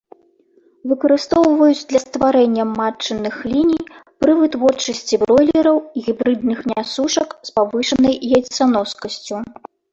Выкарыстоўваюць для стварэння матчыных ліній пры вытворчасці бройлераў і гібрыдных нясушак з павышанай яйцаноскасцю.